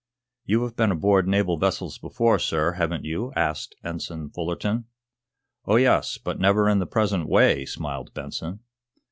"You have been aboard naval vessels before, sir, haven't you?" asked Ensign Fullerton. "Oh, yes; but never in the present way," smiled Benson.